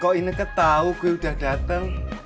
kok ineke tau gue udah dateng